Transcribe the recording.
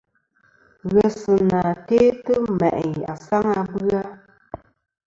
Ghesɨnà te'tɨ ma'i asaŋ a bɨ-a.